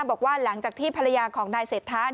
บอกว่าหลังจากที่ภรรยาของนายเศรษฐา